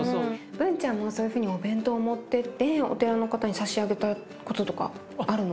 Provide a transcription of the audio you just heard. ブンちゃんもそういうふうにお弁当を持ってってお寺の方にさしあげたこととかあるの？